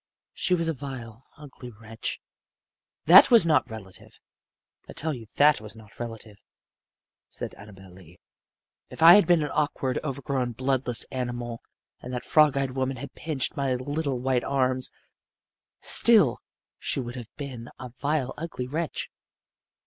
She was a vile, ugly wretch. "That was not relative. I tell you that was not relative," said Annabel Lee. "If I had been an awkward, overgrown, bloodless animal and that frog eyed woman had pinched my little white arms still she would have been a vile, ugly wretch.